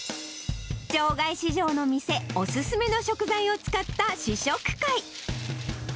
場外市場の店お勧めの食材を使った試食会。